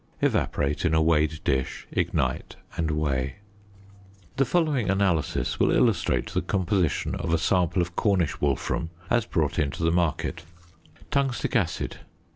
Evaporate in a weighed dish, ignite, and weigh. The following analysis will illustrate the composition of a sample of Cornish wolfram as brought into the market: Tungstic acid 50.